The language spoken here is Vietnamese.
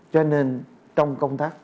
cho nên trong công tác